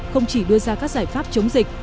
không chỉ đưa ra các giải pháp chống dịch